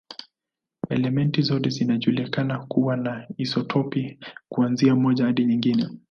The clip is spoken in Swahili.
Elementi zote zinajulikana kuwa na isotopi, kuanzia moja hadi nyingi.